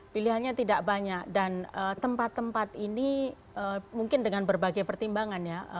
pilihannya tidak banyak dan tempat tempat ini mungkin dengan berbagai pertimbangan ya